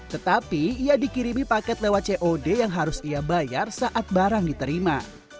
tetapi ia dikirimi paket lewat cod yang harus ia bayar saat barang diterima